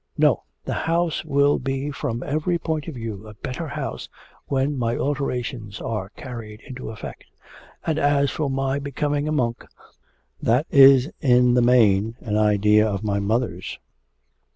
'No; the house will be from every point of view a better house when my alterations are carried into effect. And as for my becoming a monk, that is in the main an idea of my mother's.